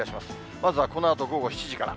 まずは、このあと午後７時から。